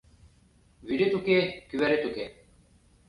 Вӱдет уке, кӱварет уке.